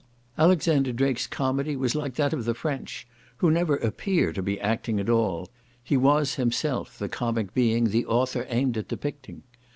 Alexander Drake's comedy was like that of the French, who never appear to be acting at all; he was himself the comic being the author aimed at depicting.